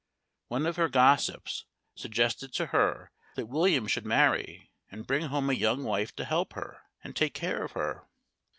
One of her gossips suggested to her that William should marry, and bring home a young wife to help her and take care of her.